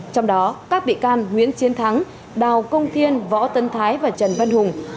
trong đó các bị can nguyễn chiến thắng đào công thiên võ tân thái và trần văn hùng